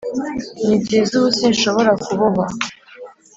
nibyiza ubu sinshobora kubohwa